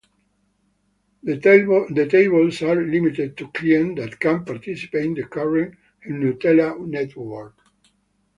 The tables are limited to clients that can participate in the current gnutella network.